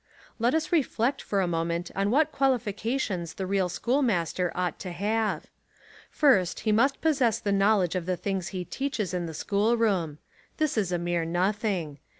Let us reflect for a moment on what quali fications the real schoolmaster ought to have. First, he must possess the knowledge of the things he teaches in the school room. This is a mere nothing.